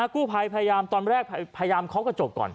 กู้ภัยพยายามตอนแรกพยายามเคาะกระจกก่อน